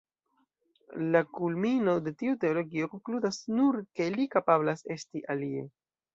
La kulmino de tiu teologio konkludas nur ke “Li kapablas esti alie”.